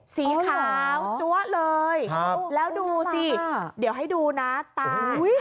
สีขาวจั๊วเลยแล้วดูสิเดี๋ยวให้ดูนะตา